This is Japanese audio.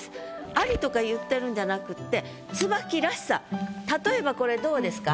「あり」とか言ってるんじゃなくって例えばこれどうですか？